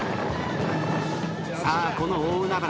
さあこの大海原